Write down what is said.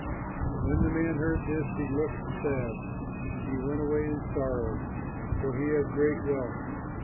But when the man heard this, he looked sad, and he went away in sorrow, for he had great wealth.